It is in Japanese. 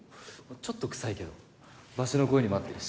ちょっとクサいけどバシの声にも合ってるし。